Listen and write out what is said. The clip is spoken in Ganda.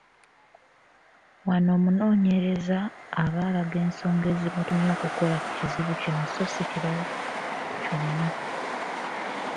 Wano omunoonyereza aba alaga ensonga ezimutumye okukola ku kizibu kino so si kirala kyonna.